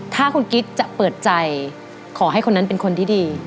ถ้าคุณกิ๊กจะเปิดใจขอให้คนนั้นเป็นคนที่ดี